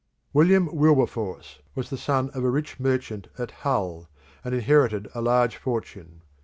William Wilberforce was the son of a rich merchant at Hull, and inherited a large fortune.